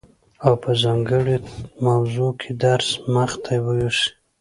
او په ځانګړي موضوع کي درس مخته يوسي،